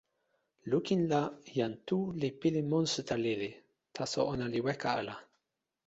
lukin la, jan Tu li pilin monsuta lili, taso ona li weka ala.